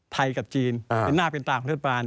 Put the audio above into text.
กับจีนเป็นหน้าเป็นตาของเทศบาล